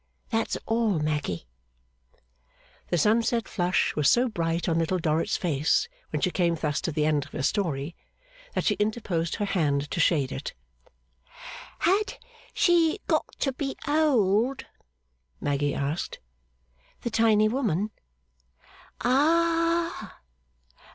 'That's all, Maggy.' The sunset flush was so bright on Little Dorrit's face when she came thus to the end of her story, that she interposed her hand to shade it. 'Had she got to be old?' Maggy asked. 'The tiny woman?' 'Ah!